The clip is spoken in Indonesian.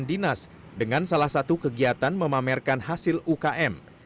dinas dengan salah satu kegiatan memamerkan hasil ukm